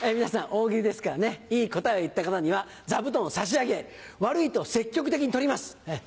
大喜利ですからねいい答えを言った方には座布団を差し上げ悪いと積極的に取ります。